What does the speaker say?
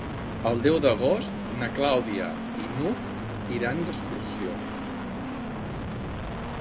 El deu d'agost na Clàudia i n'Hug iran d'excursió.